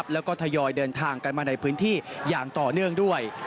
แล้วก็ทยอยเดินทางกันมาในพื้นที่อย่างต่อเนื่องด้วย